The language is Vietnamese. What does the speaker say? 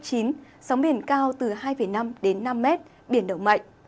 giao động cao từ hai năm năm m biển động mạnh